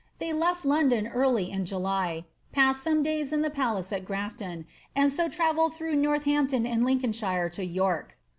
They left London early in JdIjt passed some days at the palace at Grafton, and so travelled through Northampton and Lincolnshire to York.'